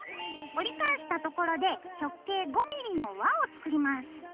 折り返したところで直径５ｍｍの輪を作ります。